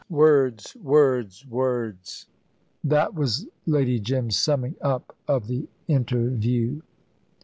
"Word! words! words!" That was Lady Jim's summing up of the interview.